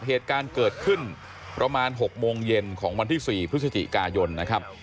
เหตุการณ์เกิดขึ้นประมาณ๖โมงเย็นของวันที่๔พฤศจิกายนนะครับ